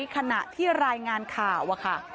ขณะที่รายงานข่าว